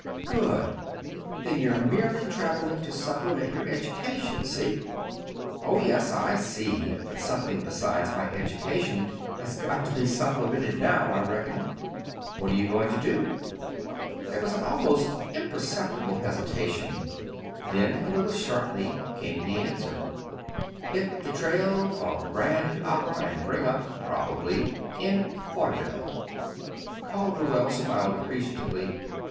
"Good! Then you're merely travelling to supplement your education, see?" "Oh, yes, I see. But something besides my education has got to be supplemented now, I reckon." "What are you going to do?" There was an almost imperceptible hesitation; then, a little shortly, came the answer: "Hit the trail for Grand Opera, and bring up, probably in vaudeville." Calderwell smiled appreciatively.